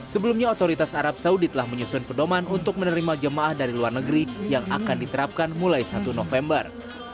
sebelumnya otoritas arab saudi telah menyusun pedoman untuk menerima jemaah dari luar negeri yang akan diterapkan mulai satu november